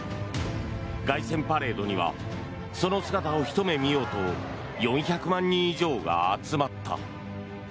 凱旋パレードにはその姿をひと目見ようと４００万人以上が集まった。